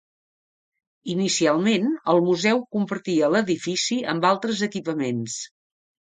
Inicialment el Museu compartia l’edifici amb altres equipaments.